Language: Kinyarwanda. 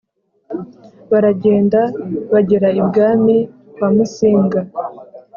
Baragenda bagera ibwami kwamusinga